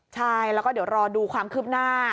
ใช่แล้วก็เดี๋ยวรอดูความคืบหน้า